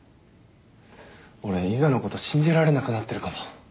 俺伊賀のこと信じられなくなってるかも。